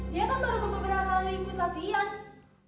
dia kan baru beberapa hari ikut latihan